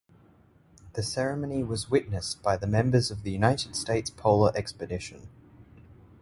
The ceremony was witnessed by the members of the United States Polar Expedition.